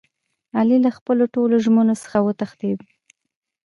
علي له خپلو ټولو ژمنو څخه و تښتېدا.